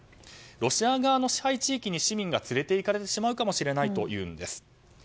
ロシア側の支配地域に市民が連れていかれてしまうかもしれないというんです。